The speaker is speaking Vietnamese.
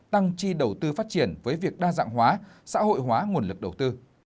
tăng chi đầu tư phát triển với việc đa dạng hóa xã hội hóa nguồn lực đầu tư